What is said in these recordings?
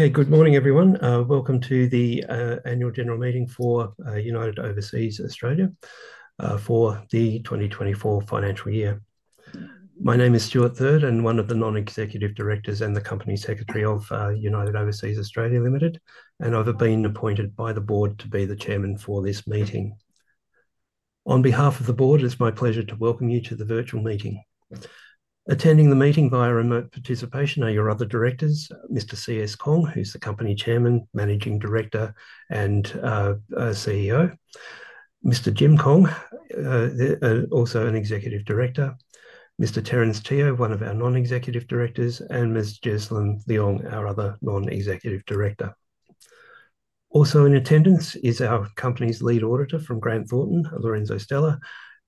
Okay, good morning, everyone. Welcome to the Annual General Meeting for United Overseas Australia for the 2024 financial year. My name is Stuart Third, and I'm one of the non-executive directors and the company secretary of United Overseas Australia Limited, and I've been appointed by the board to be the chairman for this meeting. On behalf of the board, it's my pleasure to welcome you to the virtual meeting. Attending the meeting via remote participation are your other directors, Mr. C. S. Kong, who's the company chairman, managing director, and CEO; Mr. Jim Kong, also an executive director; Mr. Terence Teo, one of our non-executive directors; and Ms. Jocelyn Leong, our other non-executive director. Also in attendance is our company's lead auditor from Grant Thornton, Lorenzo Stella,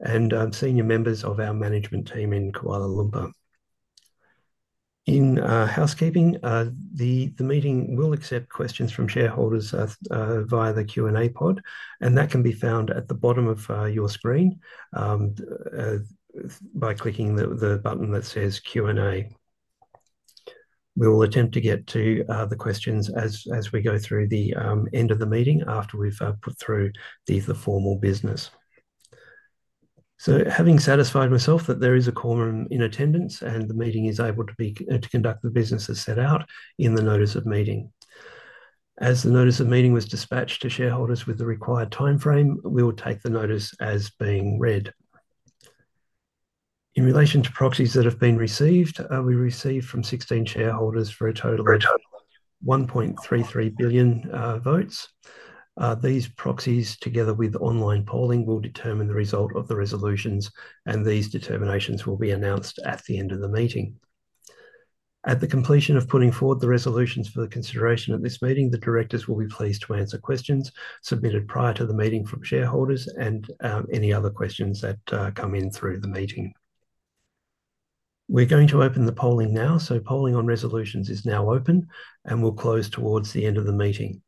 and senior members of our management team in Kuala Lumpur. In housekeeping, the meeting will accept questions from shareholders via the Q&A pod, and that can be found at the bottom of your screen by clicking the button that says Q&A. We will attempt to get to the questions as we go through the end of the meeting after we've put through the formal business. Having satisfied myself that there is a quorum in attendance and the meeting is able to conduct the business as set out in the notice of meeting. As the notice of meeting was dispatched to shareholders with the required timeframe, we will take the notice as being read. In relation to proxies that have been received, we received from 16 shareholders for a total of 1.33 billion votes. These proxies, together with online polling, will determine the result of the resolutions, and these determinations will be announced at the end of the meeting. At the completion of putting forward the resolutions for consideration at this meeting, the directors will be pleased to answer questions submitted prior to the meeting from shareholders and any other questions that come in through the meeting. We're going to open the polling now, so polling on resolutions is now open, and will close towards the end of the meeting.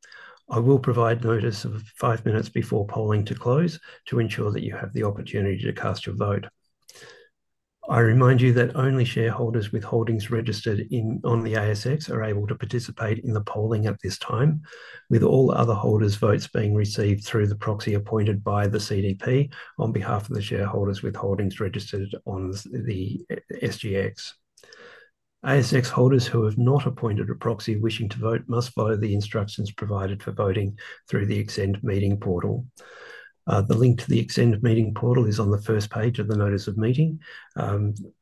I will provide notice of five minutes before polling to close to ensure that you have the opportunity to cast your vote. I remind you that only shareholders with holdings registered on the ASX are able to participate in the polling at this time, with all other holders' votes being received through the proxy appointed by the CDP on behalf of the shareholders with holdings registered on the SGX. ASX holders who have not appointed a proxy wishing to vote must follow the instructions provided for voting through the Extend Meeting portal. The link to the Extend Meeting portal is on the first page of the notice of meeting,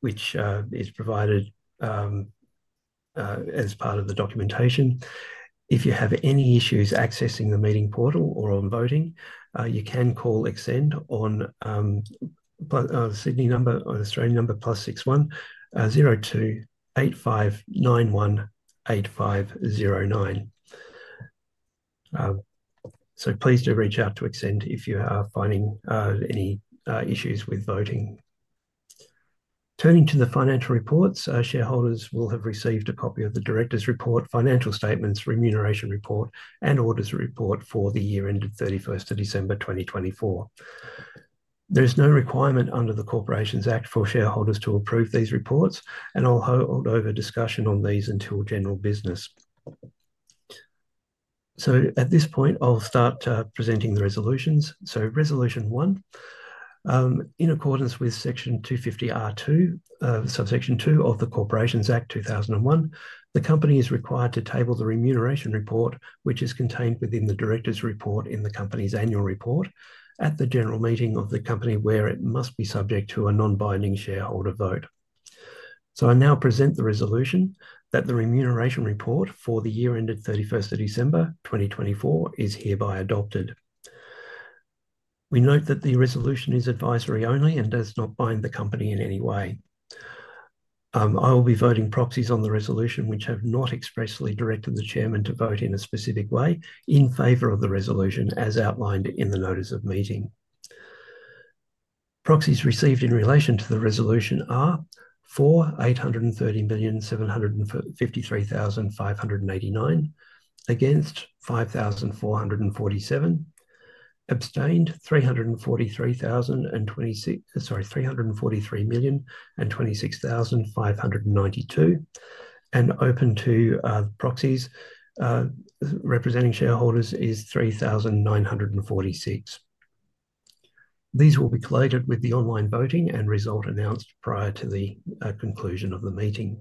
which is provided as part of the documentation. If you have any issues accessing the meeting portal or on voting, you can call Extend on the Sydney number or the Australian number +61 02 8591 8509. Please do reach out to Extend if you are finding any issues with voting. Turning to the financial reports, shareholders will have received a copy of the director's report, financial statements, remuneration report, and auditor's report for the year ended 31st of December 2024. There is no requirement under the Corporations Act for shareholders to approve these reports, and I'll hold over discussion on these until general business. At this point, I'll start presenting the resolutions. Resolution One, in accordance with Section 250R(2), Subsection 2 of the Corporations Act 2001, the company is required to table the remuneration report, which is contained within the directors' report in the company's annual report, at the general meeting of the company, where it must be subject to a non-binding shareholder vote. I now present the resolution that the remuneration report for the year ended 31st of December 2024 is hereby adopted. We note that the resolution is advisory only and does not bind the company in any way. I will be voting proxies on the resolution which have not expressly directed the chairman to vote in a specific way in favor of the resolution as outlined in the notice of meeting. Proxies received in relation to the resolution are 4,830,753,589 against 5,447, abstained 343,026,592, and open to proxies representing shareholders is 3,946. These will be collated with the online voting and result announced prior to the conclusion of the meeting.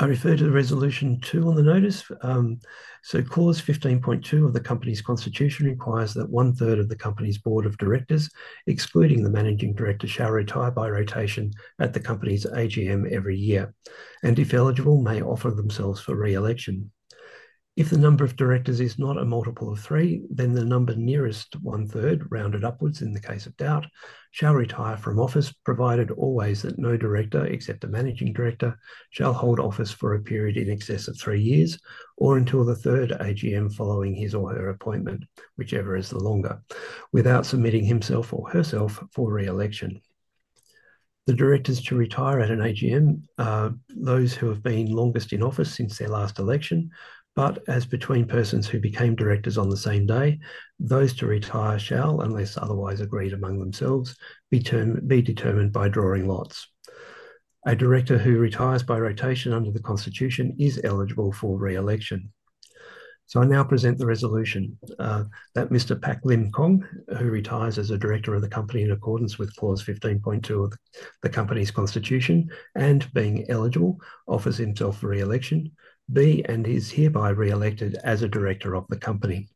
I refer to Resolution Two on the notice. Clause 15.2 of the company's constitution requires that one-third of the company's board of directors, excluding the managing director, shall retire by rotation at the company's AGM every year, and if eligible, may offer themselves for re-election. If the number of directors is not a multiple of three, then the number nearest one-third, rounded upwards in the case of doubt, shall retire from office. Provided always that no director except the Managing Director shall hold office for a period in excess of three years or until the third AGM following his or her appointment, whichever is the longer, without submitting himself or herself for re-election. The directors to retire at an AGM are those who have been longest in office since their last election, but as between persons who became directors on the same day, those to retire shall, unless otherwise agreed among themselves, be determined by drawing lots. A director who retires by rotation under the constitution is eligible for re-election. So I now present the resolution that Mr. Pak Lim Kong, who retires as a director of the company in accordance with Clause 15.2 of the company's constitution and being eligible, offers himself for re-election, be and is hereby re-elected as a director of the company.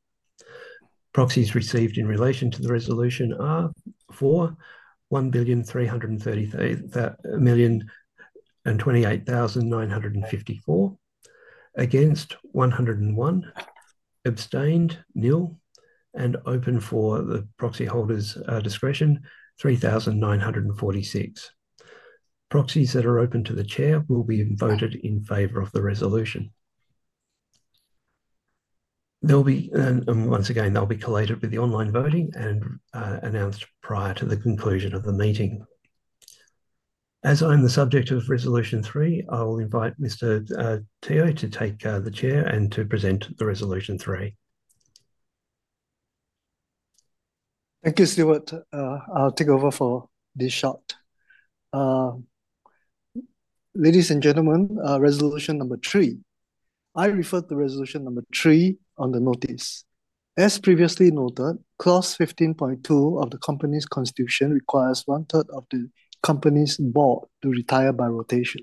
Proxies received in relation to the resolution are 4,133,028,954 against 101, abstained nil, and open for the proxy holders' discretion 3,946. Proxies that are open to the chair will be voted in favor of the resolution. Once again, they'll be collated with the online voting and announced prior to the conclusion of the meeting. As I'm the subject of Resolution Three, I will invite Mr. Teo to take the chair and to present the Resolution Three. Thank you, Stuart. I'll take over for this shot. Ladies and gentlemen, Resolution Number Three. I refer to Resolution Number Three on the notice. As previously noted, Clause 15.2 of the company's constitution requires one-third of the company's board to retire by rotation.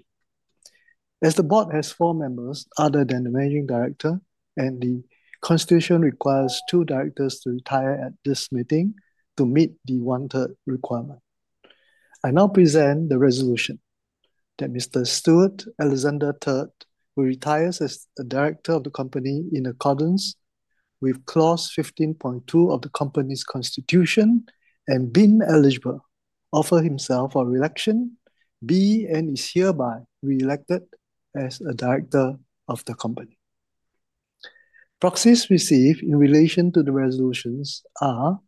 As the board has four members other than the Managing Director, and the constitution requires two directors to retire at this meeting to meet the one-third requirement. I now present the resolution that Mr. Stuart Alexander Third, who retires as a director of the company in accordance with Clause 15.2 of the company's constitution and being eligible, offers himself for re-election, be and is hereby re-elected as a director of the company. Proxies received in relation to the resolutions are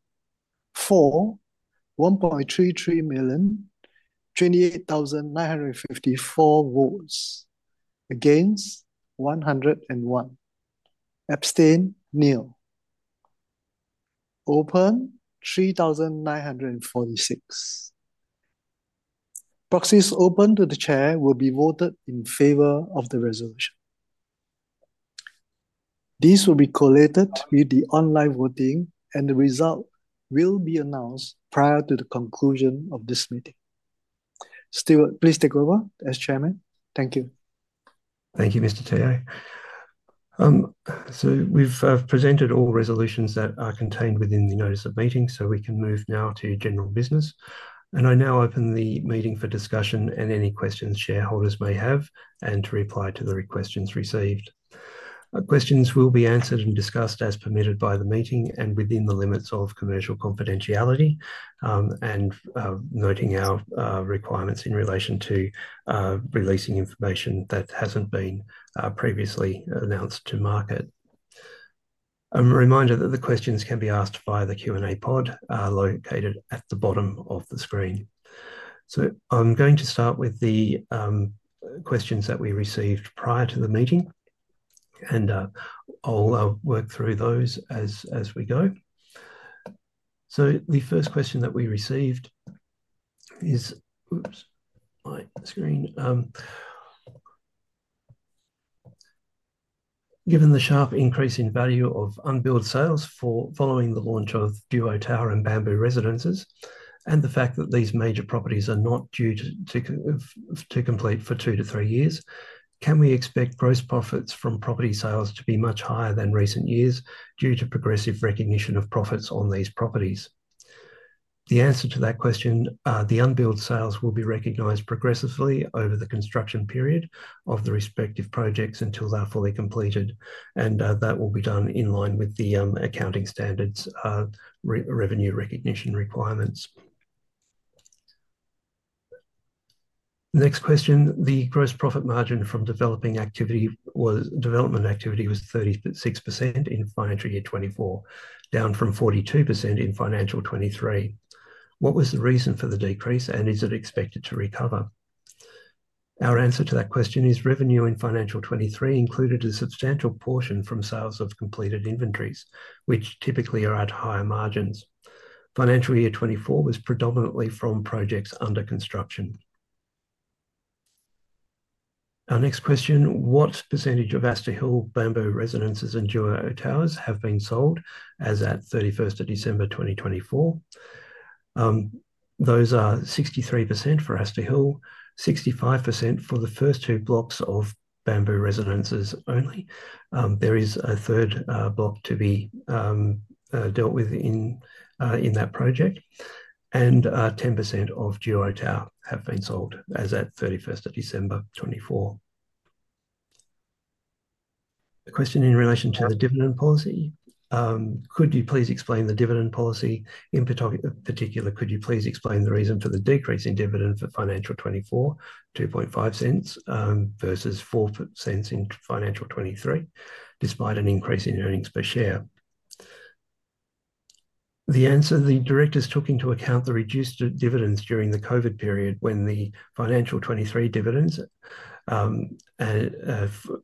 4,133,028,954 votes against 101, abstained nil, open 3,946. Proxies open to the chair will be voted in favor of the resolution. These will be collated with the online voting, and the result will be announced prior to the conclusion of this meeting. Stuart, please take over as Chairman. Thank you. Thank you, Mr. Teo. We have presented all resolutions that are contained within the notice of meeting, so we can move now to general business. I now open the meeting for discussion and any questions shareholders may have and to reply to the questions received. Questions will be answered and discussed as permitted by the meeting and within the limits of commercial confidentiality, and noting our requirements in relation to releasing information that has not been previously announced to market. A reminder that the questions can be asked via the Q&A pod located at the bottom of the screen. I am going to start with the questions that we received prior to the meeting, and I will work through those as we go. The first question that we received is, oops, my screen. Given the sharp increase in value of unbuilt sales following the launch of Duo Tower and Bamboo Residences, and the fact that these major properties are not due to complete for two to three years, can we expect gross profits from property sales to be much higher than recent years due to progressive recognition of profits on these properties? The answer to that question, the unbuilt sales will be recognized progressively over the construction period of the respective projects until they're fully completed, and that will be done in line with the accounting standards revenue recognition requirements. Next question, the gross profit margin from developing activity was 36% in financial year 2024, down from 42% in financial 2023. What was the reason for the decrease, and is it expected to recover? Our answer to that question is revenue in financial 2023 included a substantial portion from sales of completed inventories, which typically are at higher margins. Financial year 2024 was predominantly from projects under construction. Our next question, what percentage of Aster Hill, Bamboo Residences, and Duo Tower have been sold as at 31st of December 2024? Those are 63% for Aster Hill, 65% for the first two blocks of Bamboo Residences only. There is a third block to be dealt with in that project, and 10% of Duo Tower have been sold as at 31st of December 2024. A question in relation to the dividend policy. Could you please explain the dividend policy? In particular, could you please explain the reason for the decrease in dividend for financial 2024, 0.025 versus 0.04 in financial 2023, despite an increase in earnings per share? The answer, the directors took into account the reduced dividends during the COVID period when the financial 2023 dividends,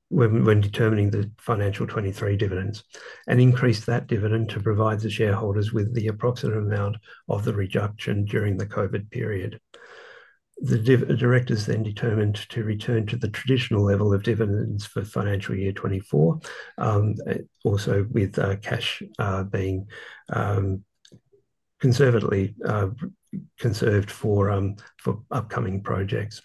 when determining the financial 2023 dividends, and increased that dividend to provide the shareholders with the approximate amount of the reduction during the COVID period. The directors then determined to return to the traditional level of dividends for financial year 2024, also with cash being conservatively conserved for upcoming projects.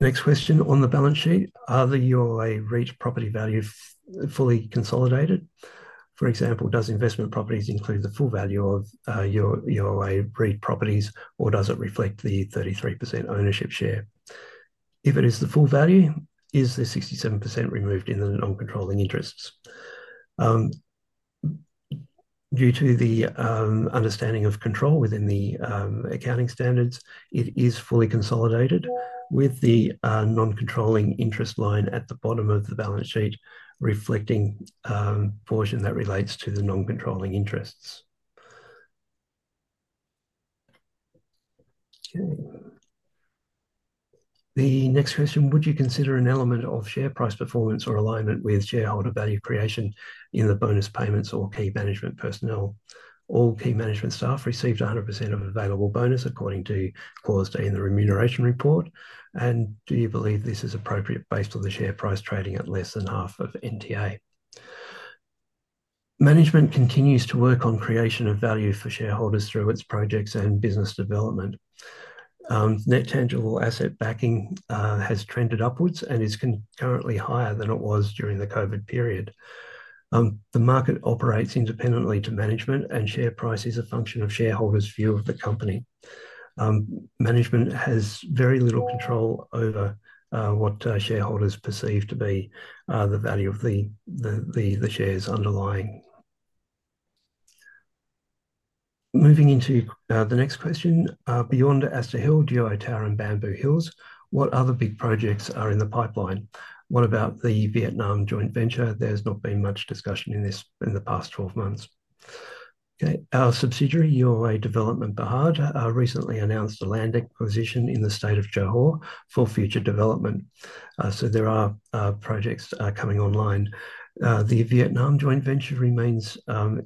Next question, on the balance sheet, are the UOA REIT property values fully consolidated? For example, does investment properties include the full value of UOA REIT properties, or does it reflect the 33% ownership share? If it is the full value, is the 67% removed in the non-controlling interests? Due to the understanding of control within the accounting standards, it is fully consolidated with the non-controlling interest line at the bottom of the balance sheet reflecting the portion that relates to the non-controlling interests. Okay. The next question, would you consider an element of share price performance or alignment with shareholder value creation in the bonus payments or key management personnel? All key management staff received 100% of available bonus according to Clause D in the remuneration report, and do you believe this is appropriate based on the share price trading at less than half of NTA? Management continues to work on creation of value for shareholders through its projects and business development. Net tangible asset backing has trended upwards and is currently higher than it was during the COVID period. The market operates independently to management, and share price is a function of shareholders' view of the company. Management has very little control over what shareholders perceive to be the value of the shares underlying. Moving into the next question, beyond Aster Hill, Duo Tower, and Bamboo Hills, what other big projects are in the pipeline? What about the Vietnam joint venture? There's not been much discussion in this in the past 12 months. Okay. Our subsidiary, UOA Development Bhd, recently announced a land acquisition in the state of Johor for future development. So there are projects coming online. The Vietnam joint venture remains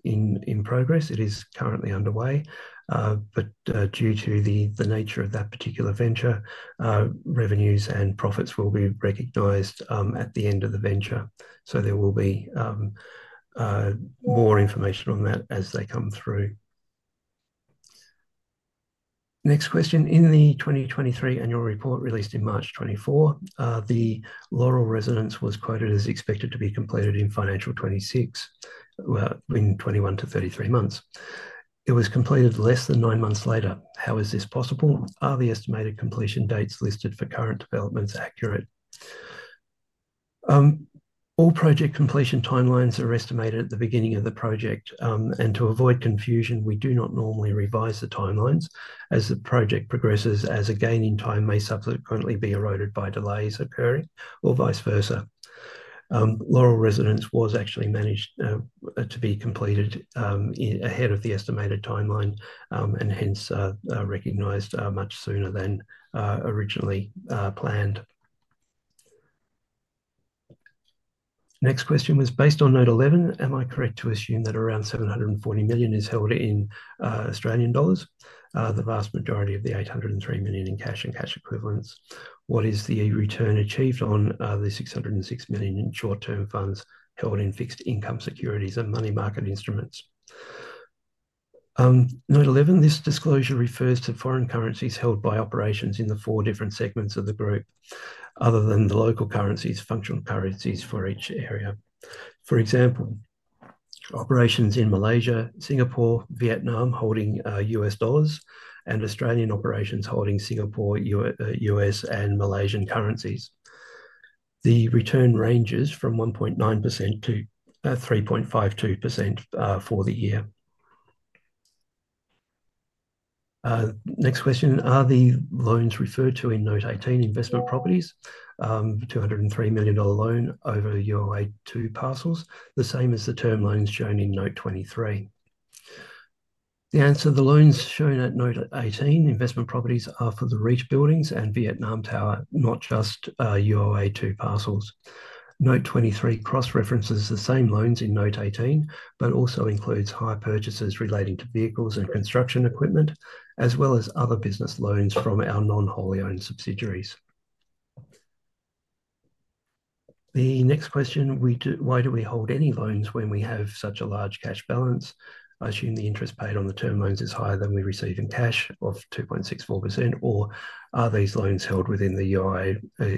in progress. It is currently underway, but due to the nature of that particular venture, revenues and profits will be recognized at the end of the venture. There will be more information on that as they come through. Next question, in the 2023 annual report released in March 2024, the Laurel Residence was quoted as expected to be completed in financial 2026 in 21-33 months. It was completed less than nine months later. How is this possible? Are the estimated completion dates listed for current developments accurate? All project completion timelines are estimated at the beginning of the project, and to avoid confusion, we do not normally revise the timelines as the project progresses as, again, in time, may subsequently be eroded by delays occurring or vice versa. Laurel Residence was actually managed to be completed ahead of the estimated timeline and hence recognized much sooner than originally planned. Next question was based on note 11. Am I correct to assume that around 740 million is held in Australian dollars, the vast majority of the 803 million in cash and cash equivalents? What is the return achieved on the 606 million in short-term funds held in fixed income securities and money market instruments? Note 11, this disclosure refers to foreign currencies held by operations in the four different segments of the group other than the local currencies, functional currencies for each area. For example, operations in Malaysia, Singapore, Vietnam holding US dollars, and Australian operations holding Singapore, US, and Malaysian currencies. The return ranges from 1.9%-3.52% for the year. Next question, are the loans referred to in note 18, investment properties, a 203 million dollar loan over UOA two parcels, the same as the term loans shown in note 23? The answer, the loans shown at note 18, investment properties are for the REIT buildings and Vietnam Tower, not just UOA two parcels. Note 23 cross-references the same loans in note 18, but also includes hire purchases relating to vehicles and construction equipment, as well as other business loans from our non-wholly owned subsidiaries. The next question, why do we hold any loans when we have such a large cash balance? I assume the interest paid on the term loans is higher than we receive in cash of 2.64%, or are these loans held within the UOA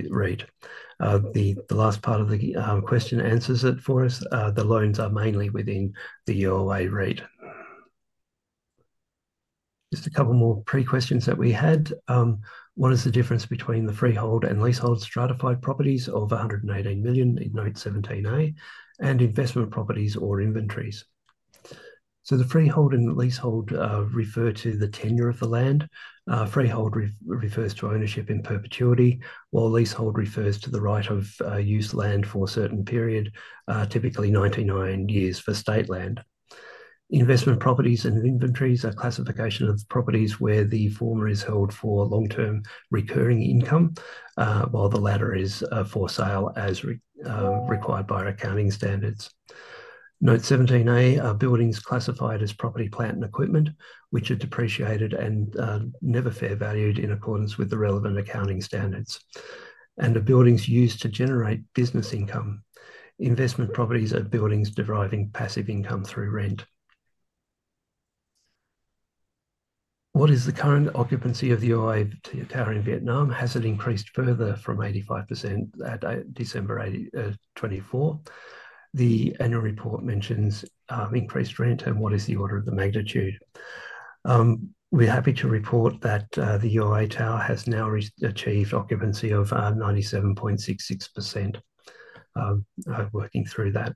REIT? The last part of the question answers it for us. The loans are mainly within the UOA REIT. Just a couple more pre-questions that we had. What is the difference between the freehold and leasehold stratified properties of 118 million in note 17A and investment properties or inventories? The freehold and leasehold refer to the tenure of the land. Freehold refers to ownership in perpetuity, while leasehold refers to the right of use land for a certain period, typically 99 years for state land. Investment properties and inventories are classifications of properties where the former is held for long-term recurring income, while the latter is for sale as required by accounting standards. Note 17A are buildings classified as property, plant, and equipment, which are depreciated and never fair valued in accordance with the relevant accounting standards, and are buildings used to generate business income. Investment properties are buildings deriving passive income through rent. What is the current occupancy of the UOA Tower in Vietnam? Has it increased further from 85% at December 2024? The annual report mentions increased rent, and what is the order of the magnitude? We're happy to report that the UOA Tower has now achieved occupancy of 97.66%. I'm working through that.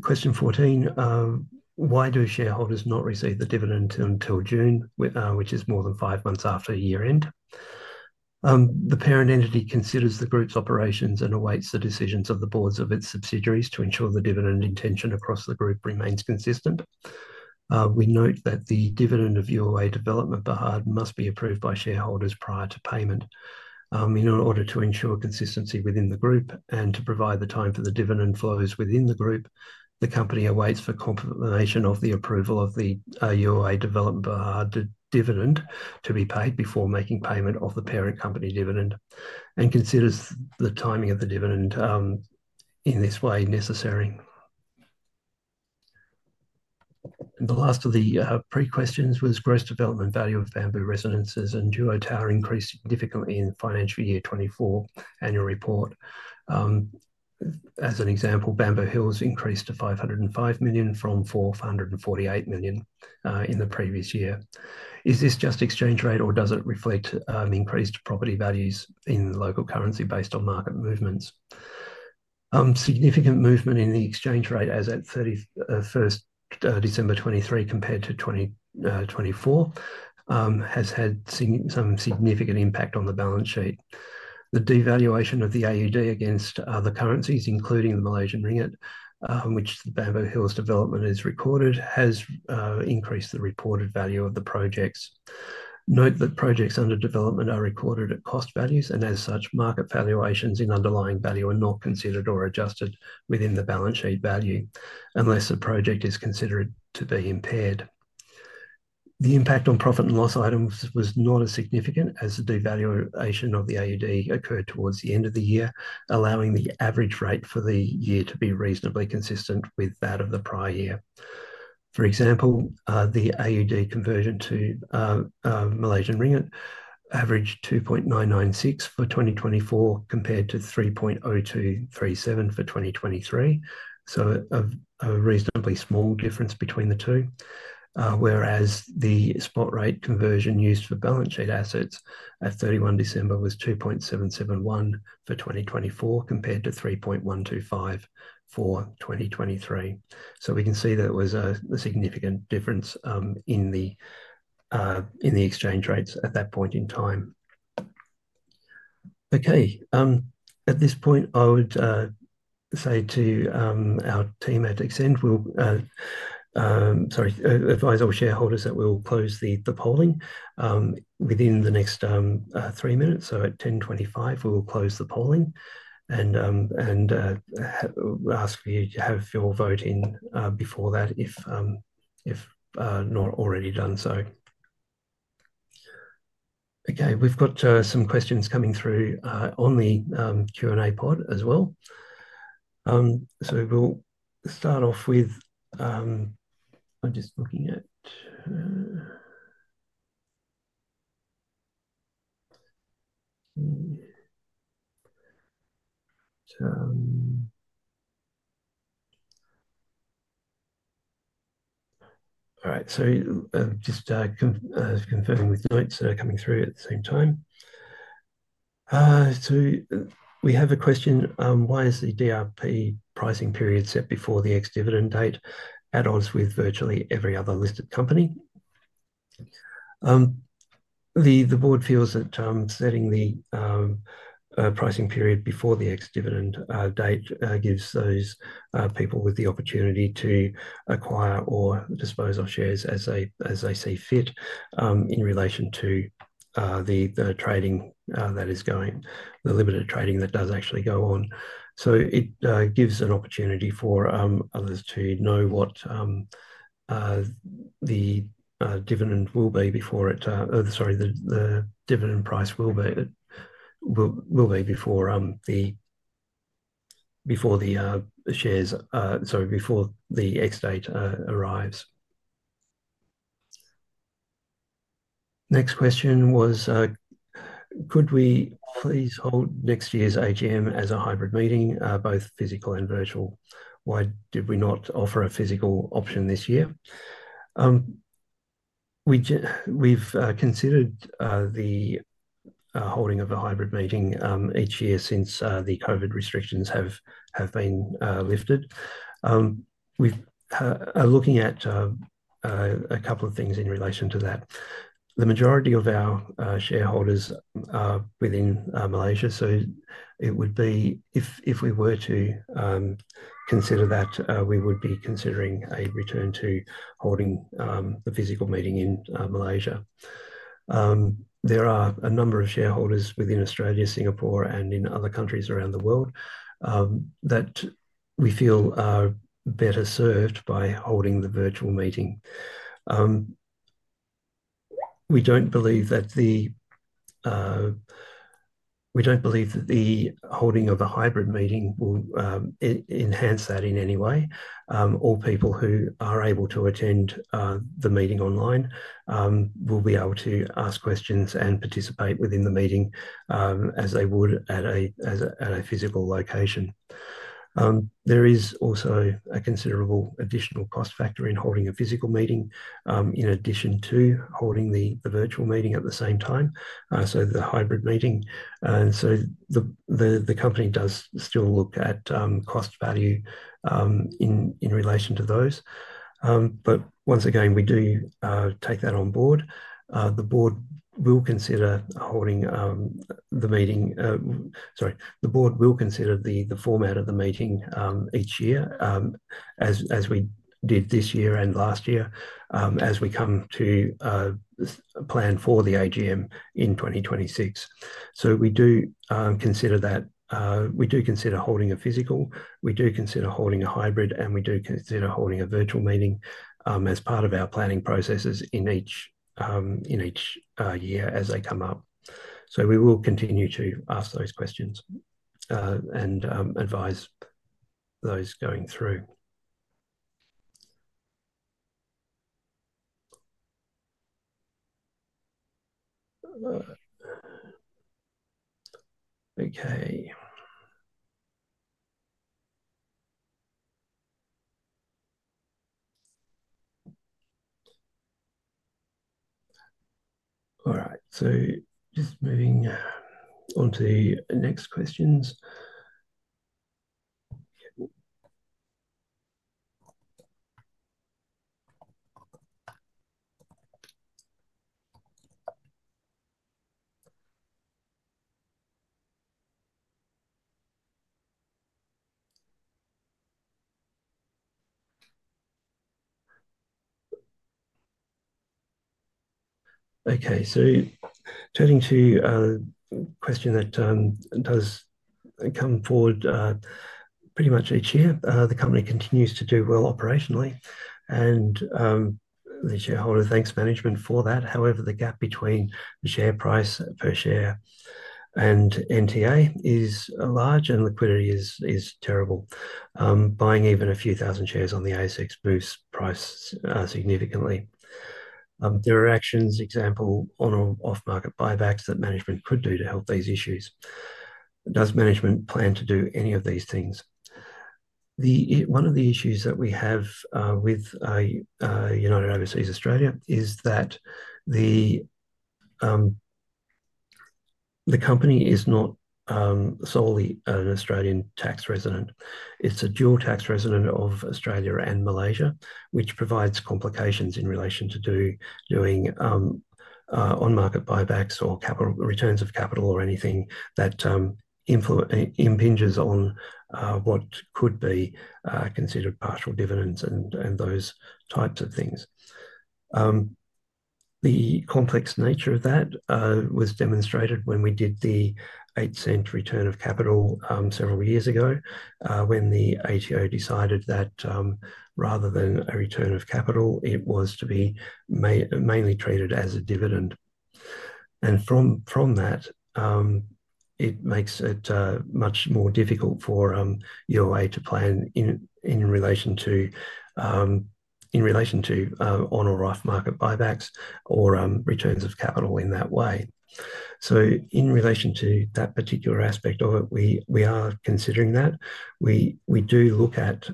Question 14, why do shareholders not receive the dividend until June, which is more than five months after year-end? The parent entity considers the group's operations and awaits the decisions of the boards of its subsidiaries to ensure the dividend intention across the group remains consistent. We note that the dividend of UOA Development Bhd must be approved by shareholders prior to payment. In order to ensure consistency within the group and to provide the time for the dividend flows within the group, the company awaits confirmation of the approval of the UOA Development Bhd dividend to be paid before making payment of the parent company dividend and considers the timing of the dividend in this way necessary. The last of the pre-questions was gross development value of Bamboo Residences and Duo Tower increased significantly in financial year 2024 annual report. As an example, Bamboo Hills increased to 505 million from 448 million in the previous year. Is this just exchange rate, or does it reflect increased property values in local currency based on market movements? Significant movement in the exchange rate as at 31st December 2023 compared to 2024 has had some significant impact on the balance sheet. The devaluation of the AUD against other currencies, including the Malaysian ringgit, which the Bamboo Hills development has recorded, has increased the reported value of the projects. Note that projects under development are recorded at cost values, and as such, market valuations in underlying value are not considered or adjusted within the balance sheet value unless a project is considered to be impaired. The impact on profit and loss items was not as significant as the devaluation of the AUD occurred towards the end of the year, allowing the average rate for the year to be reasonably consistent with that of the prior year. For example, the AUD conversion to Malaysian ringgit averaged 2.996 for 2024 compared to 3.0237 for 2023. A reasonably small difference between the two, whereas the spot rate conversion used for balance sheet assets at 31 December was 2.771 for 2024 compared to 3.125 for 2023. We can see that there was a significant difference in the exchange rates at that point in time. Okay. At this point, I would say to our team at Excel, sorry, advise all shareholders that we will close the polling within the next three minutes. At 10:25, we will close the polling and ask you to have your vote in before that if not already done so. Okay. We've got some questions coming through on the Q&A pod as well. We'll start off with, I'm just looking at, all right. Just confirming with notes that are coming through at the same time. We have a question: why is the DRP pricing period set before the ex-dividend date at odds with virtually every other listed company? The board feels that setting the pricing period before the ex-dividend date gives those people with the opportunity to acquire or dispose of shares as they see fit in relation to the trading that is going, the limited trading that does actually go on. It gives an opportunity for others to know what the dividend will be before it, sorry, the dividend price will be before the shares, sorry, before the ex-date arrives. Next question was, could we please hold next year's AGM as a hybrid meeting, both physical and virtual? Why did we not offer a physical option this year? We have considered the holding of a hybrid meeting each year since the COVID restrictions have been lifted. We are looking at a couple of things in relation to that. The majority of our shareholders are within Malaysia, so if we were to consider that, we would be considering a return to holding the physical meeting in Malaysia. There are a number of shareholders within Australia, Singapore, and in other countries around the world that we feel are better served by holding the virtual meeting. We don't believe that the holding of a hybrid meeting will enhance that in any way. All people who are able to attend the meeting online will be able to ask questions and participate within the meeting as they would at a physical location. There is also a considerable additional cost factor in holding a physical meeting in addition to holding the virtual meeting at the same time, so the hybrid meeting. The company does still look at cost value in relation to those. Once again, we do take that on board. The board will consider the format of the meeting each year as we did this year and last year as we come to plan for the AGM in 2026. We do consider that. We do consider holding a physical. We do consider holding a hybrid, and we do consider holding a virtual meeting as part of our planning processes in each year as they come up. We will continue to ask those questions and advise those going through. Okay. All right. Just moving on to the next questions. Okay. Turning to a question that does come forward pretty much each year, the company continues to do well operationally, and the shareholder thanks management for that. However, the gap between the share price per share and NTA is large, and liquidity is terrible, buying even a few thousand shares on the ASX boosts price significantly. There are actions, example, on or off-market buybacks that management could do to help these issues. Does management plan to do any of these things? One of the issues that we have with United Overseas Australia is that the company is not solely an Australian tax resident. It's a dual tax resident of Australia and Malaysia, which provides complications in relation to doing on-market buybacks or returns of capital or anything that impinges on what could be considered partial dividends and those types of things. The complex nature of that was demonstrated when we did the 8% return of capital several years ago when the ATO decided that rather than a return of capital, it was to be mainly treated as a dividend. From that, it makes it much more difficult for UOA to plan in relation to on-or-off-market buybacks or returns of capital in that way. In relation to that particular aspect of it, we are considering that. We do look at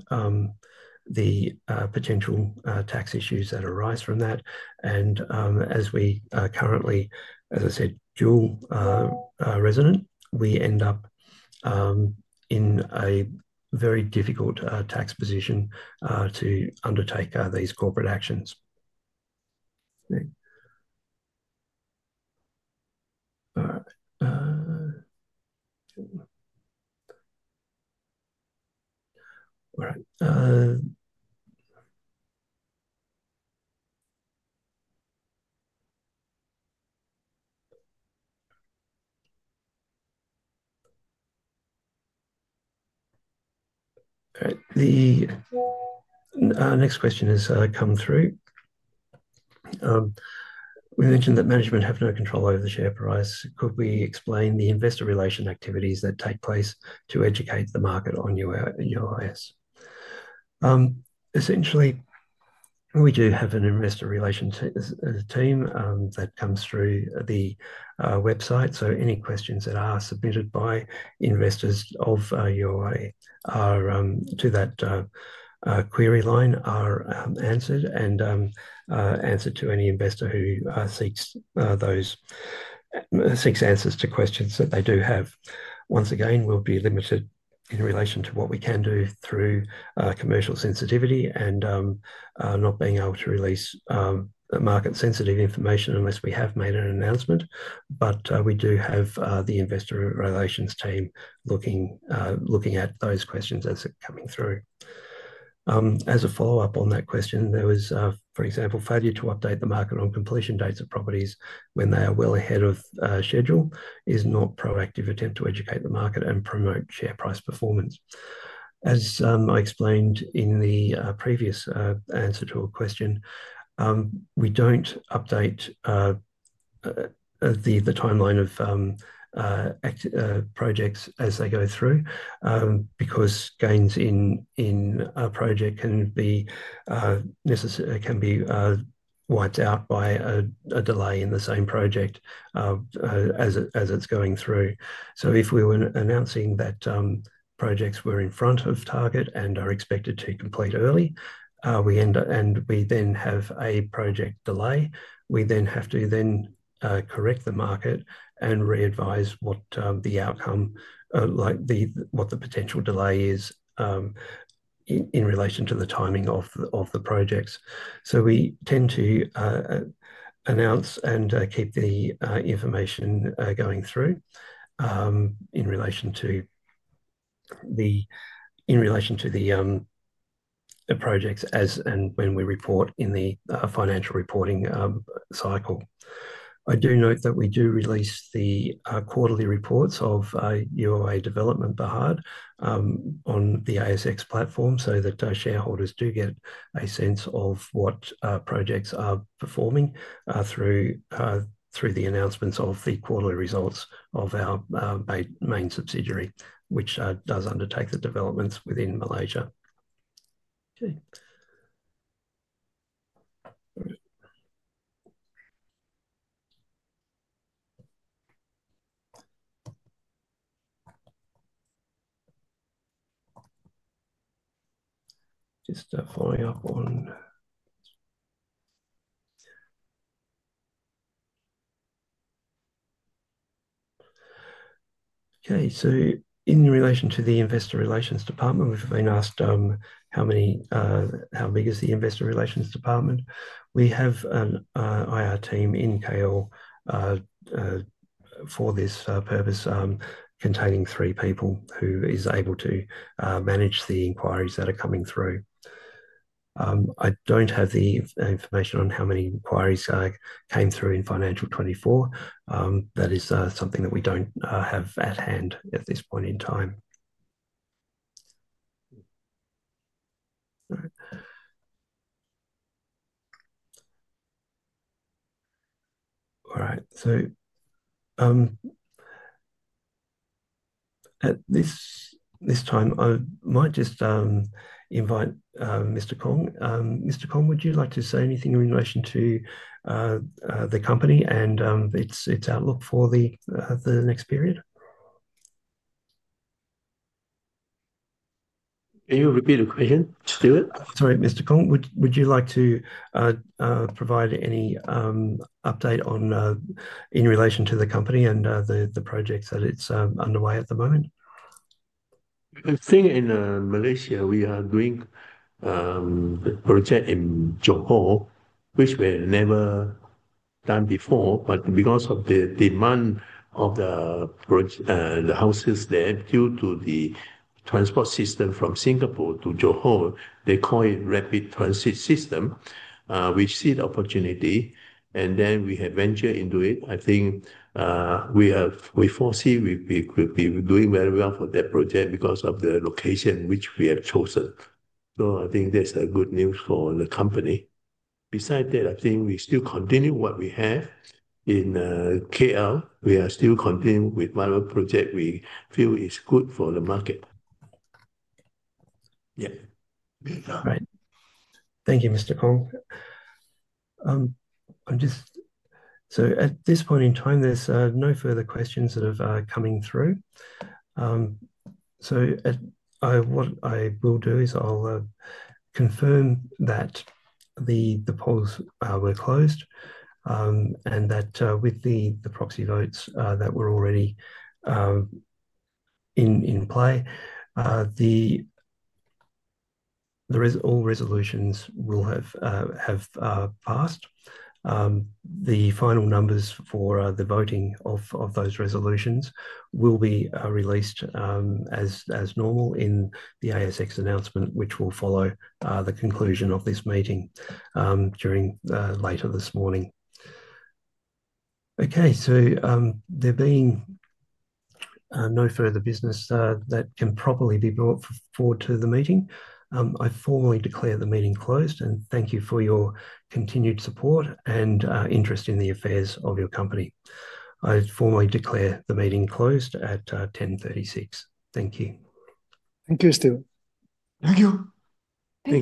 the potential tax issues that arise from that. As we currently, as I said, dual resident, we end up in a very difficult tax position to undertake these corporate actions. All right. Okay. The next question has come through. We mentioned that management have no control over the share price. Could we explain the investor relation activities that take place to educate the market on UOA's? Essentially, we do have an investor relation team that comes through the website. Any questions that are submitted by investors of UOA to that query line are answered and answered to any investor who seeks answers to questions that they do have. Once again, we will be limited in relation to what we can do through commercial sensitivity and not being able to release market-sensitive information unless we have made an announcement. We do have the investor relations team looking at those questions as they are coming through. As a follow-up on that question, there was, for example, failure to update the market on completion dates of properties when they are well ahead of schedule is not a proactive attempt to educate the market and promote share price performance. As I explained in the previous answer to a question, we don't update the timeline of projects as they go through because gains in a project can be wiped out by a delay in the same project as it's going through. If we were announcing that projects were in front of target and are expected to complete early, and we then have a project delay, we then have to correct the market and readvise what the outcome, what the potential delay is in relation to the timing of the projects. We tend to announce and keep the information going through in relation to the projects as and when we report in the financial reporting cycle. I do note that we do release the quarterly reports of UOA Development Bhd on the ASX platform so that shareholders do get a sense of what projects are performing through the announcements of the quarterly results of our main subsidiary, which does undertake the developments within Malaysia. Okay. Just following up on. Okay. In relation to the investor relations department, we've been asked how big is the investor relations department. We have our team in KL for this purpose containing three people who are able to manage the inquiries that are coming through. I do not have the information on how many inquiries came through in financial 2024. That is something that we do not have at hand at this point in time. All right. At this time, I might just invite Mr. Kong. Mr. Kong, would you like to say anything in relation to the company and its outlook for the next period? Can you repeat the question, Stuart? Sorry, Mr. Kong, would you like to provide any update in relation to the company and the projects that it's underway at the moment? The thing in Malaysia, we are doing the project in Johor, which we have never done before, but because of the demand of the houses there due to the transport system from Singapore to Johor, they call it rapid transit system. We see the opportunity, and then we have ventured into it. I think we foresee we could be doing very well for that project because of the location which we have chosen. I think that's good news for the company. Beside that, I think we still continue what we have in KL. We are still continuing with one project we feel is good for the market. Yeah. All right. Thank you, Mr. Kong. At this point in time, there's no further questions that have come through. What I will do is confirm that the polls were closed and that with the proxy votes that were already in play, all resolutions will have passed. The final numbers for the voting of those resolutions will be released as normal in the ASX announcement, which will follow the conclusion of this meeting later this morning. There being no further business that can properly be brought forward to the meeting, I formally declare the meeting closed, and thank you for your continued support and interest in the affairs of your company. I formally declare the meeting closed at 10:36 A.M. Thank you Thank you, Stuart. Thank you.